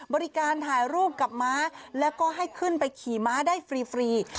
บริการถ่ายรูปกับม้าแล้วก็ให้ขึ้นไปขี่ม้าได้ฟรี